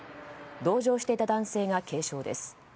同乗していた男性が軽傷です。